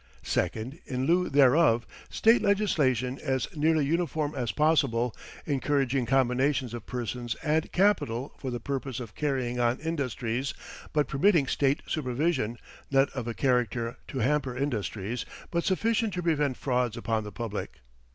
Second, in lieu thereof, state legislation as nearly uniform as possible, encouraging combinations of persons and capital for the purpose of carrying on industries, but permitting state supervision, not of a character to hamper industries, but sufficient to prevent frauds upon the public.